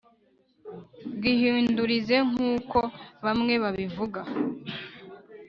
bwihindurize nk uko bamwe babivuga